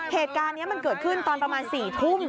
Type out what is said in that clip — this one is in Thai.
เหตุการณ์นี้มันเกิดขึ้นตอนประมาณ๔ทุ่ม